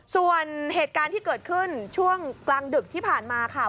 ส่วนเหตุการณ์ที่เกิดขึ้นช่วงกลางดึกที่ผ่านมาค่ะ